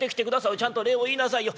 おいちゃんと礼を言いなさいよ。